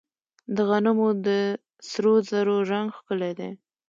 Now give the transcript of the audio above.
د غنمو د سرو زرو رنګ ښکلی دی.